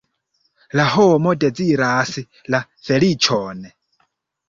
La homo deziras la feliĉon.